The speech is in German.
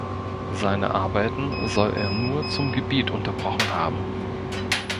Seine Arbeiten soll er nur zum Gebet unterbrochen haben.